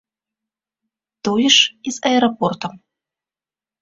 Тое ж і з аэрапортам.